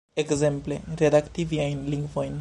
Ekzemple, redakti viajn lingvojn